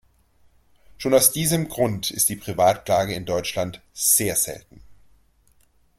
Schon aus diesem Grund ist die Privatklage in Deutschland sehr selten.